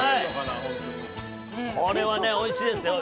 これはおいしいですよ。